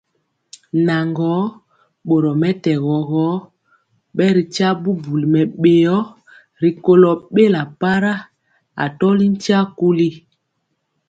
Naŋgɔɔ, boromɛtɛgɔ gɔ, bɛritya bubuli mɛbéo rikɔlɔ bela para, atɔli ntia kuli.